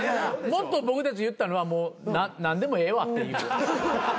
もっと僕たち言ったのは「何でもええわ」っていう。